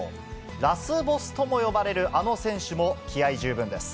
ラスボスとも呼ばれるあの選手も気合い十分です。